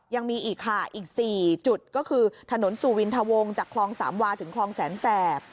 ยังมีอีกค่ะอีก๔จุดก็คือถนนสุวินทะวงจากคลองสามวาถึงคลองแสนแสบ